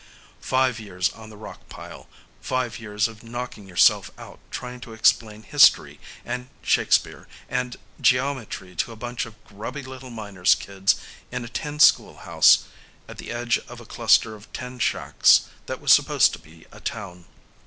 Five years on the rock pile, five years of knocking yourself out trying to explain history and Shakespeare and geometry to a bunch of grubby little miners' kids in a tin schoolhouse at the edge of a cluster of tin shacks that was supposed to be a town.